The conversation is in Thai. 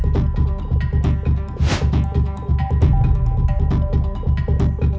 เขาไม่รู้ว่าเขาไม่คุยชั้น